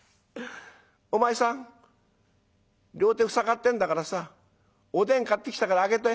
「お前さん両手塞がってんだからさおでん買ってきたから開けて。